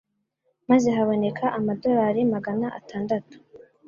maze haboneka amadolari magana atandatu